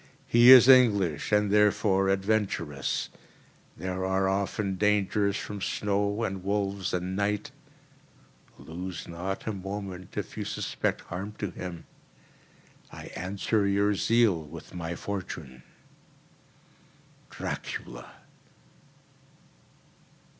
He is English and therefore adventurous. There are often dangers from snow and wolves and night. Lose not a moment if you suspect harm to him. I answer your zeal with my fortune.—Dracula.